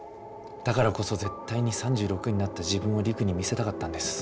だからこそ絶対に３６になった自分を璃久に見せたかったんです。